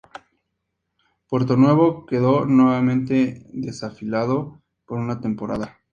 Puerto Nuevo quedó nuevamente desafiliado por una temporada.